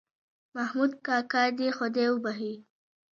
محمود کاکا دې خدای وبښي